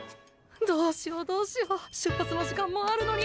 どうしようどうしよう出発の時間もあるのに。